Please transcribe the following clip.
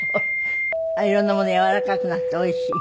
色んなもの軟らかくなっておいしい？